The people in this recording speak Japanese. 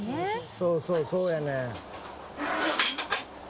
そうそうそうやねん。